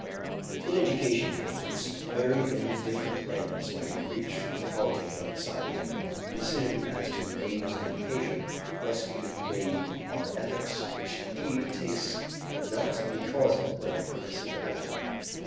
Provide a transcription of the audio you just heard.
In education, for instance, very many different ends might be reached; psychology cannot decide anything. The decision as to the aims of education must be made by ethics, which indeed takes not a causal but a purposive attitude.